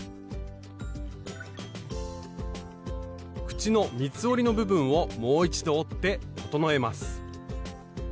口の三つ折りの部分をもう一度折って整えます。